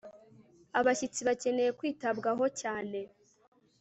abashyitsi bakeneye kwitabwaho cyane